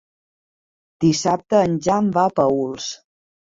Dissabte en Jan va a Paüls.